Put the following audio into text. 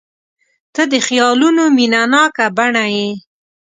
• ته د خیالونو مینهناکه بڼه یې.